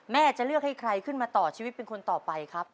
จะเลือกให้ใครขึ้นมาต่อชีวิตเป็นคนต่อไปครับ